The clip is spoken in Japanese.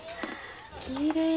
きれい。